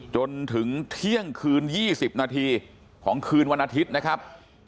จนถึงเที่ยงคืน๒๐นาทีของคืนวันอาทิตย์นะครับ